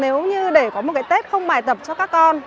nếu như để có một cái tết không bài tập cho các con